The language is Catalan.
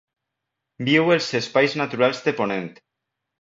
Viu els Espais Naturals de Ponent.